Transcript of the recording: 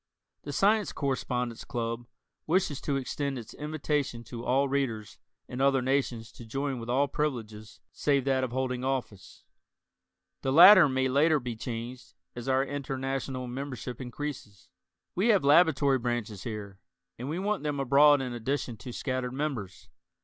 The Science Correspondence Club wishes to extend its invitation to all Readers in other nations to join with all privileges save that of holding office. The latter may later be changed as our international membership increases. We have laboratory branches here, and we want them abroad in addition to scattered members.